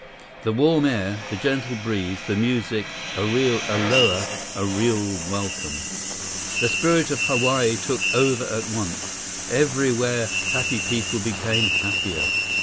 The warm air, the gentle breeze, the music—a real Aloha, a real welcome. The spirit of Hawaii took over at once. Everywhere, happy people became happier.